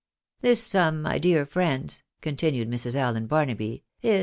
This sum, my dear friends," continued Mrs. Allen Barnaby, " is.